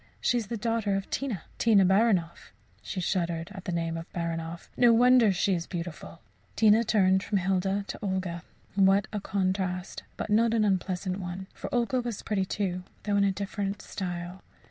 She is the daughter of Tina Tina Baranoff. [She shuddered at the name Baranoff.] No wonder she is beautiful!" Tina turned from Hilda to Olga. What a contrast, but not an unpleasant one for Olga was pretty, too, though in a different style.